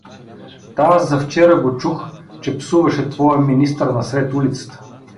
Та аз завчера го чух, че псуваше твоя министър насред улицата.